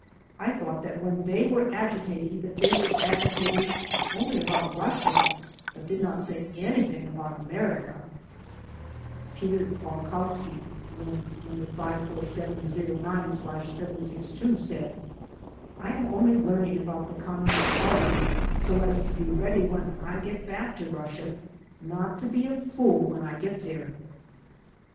I thought that when they were agitating that they were agitating only about Russia but did not say anything about America." Peter Falkowsky (Warrant No. 54709/762) said : "I am only learning about the G}mmunist Party so as to be ready when I get back to Russia not to be a fool when I get there."